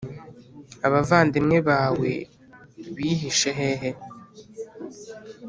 abavandimwe bawe bihishe hehe